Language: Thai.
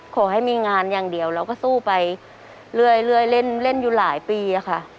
ขอให้มีงานอย่างเดียวเราก็สู้ไปเรื่อยเล่นอยู่หลายปีค่ะ